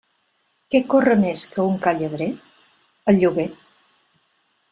Què corre més que un ca llebrer? El lloguer.